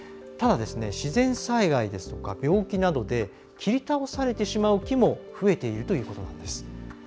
ただ、自然災害ですとか病気などで切り倒されてしまう木も増えているということです。